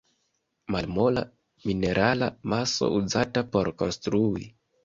Malmola, minerala maso uzata por konstrui.